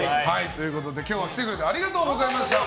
今日は来てくれてありがとうございました。